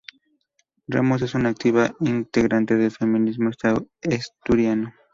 Ramos es una activa integrante del feminismo asturiano.